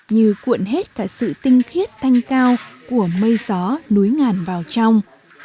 như cuộn hết cả sự tinh khiết thanh cao của mây gió núi ngàn vào trong